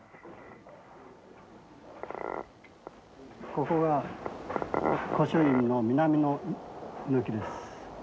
ここが古書院の南の軒です。